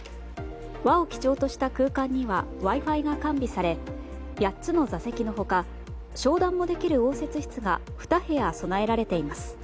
和を基調とした空間にはＷｉ‐Ｆｉが完備され８つの座席の他商談もできる応接室が２部屋備えられています。